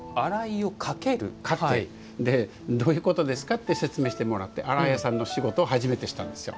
でどういうことですかって説明してもらって洗い屋さんの仕事を初めて知ったんですよ。